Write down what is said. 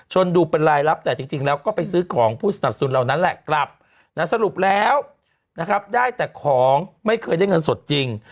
ดูเป็นรายลับแต่จริงแล้วก็ไปซื้อของผู้สนับสนุนเหล่านั้นแหละกลับสรุปแล้วนะครับได้แต่ของไม่เคยได้เงินสดจริง